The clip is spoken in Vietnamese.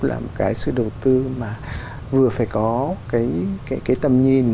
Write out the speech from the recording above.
là một cái sự đầu tư mà vừa phải có cái tầm nhìn